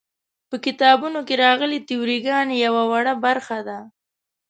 په کتابونو کې راغلې تیوري ګانې یوه وړه برخه ده.